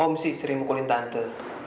om sih sering mukulin tante